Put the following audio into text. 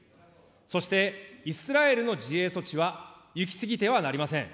そして、イスラエルの自衛措置は行き過ぎてはなりません。